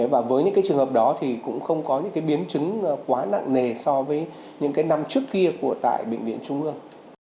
và với những trường hợp đó thì cũng không có những biến chứng quá nặng nề so với những năm trước kia của tại bệnh viện trung ương